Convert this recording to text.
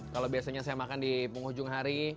kalau biasanya saya makan di penghujung hari